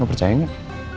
lo percaya gak